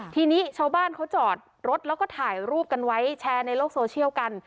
ทีนี้ชาวบ้านเขาจอดรถแล้วก็ถ่ายรูปกันไว้แชร์ในโลกโซเชียลกัน